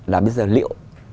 là bây giờ liệu